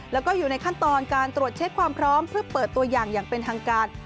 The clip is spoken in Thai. แล้วก็อยู่ในขั้นตอนการตรวจเช็คความพร้อมเพื่อเปิดตัวอย่างอย่างเป็นทางการ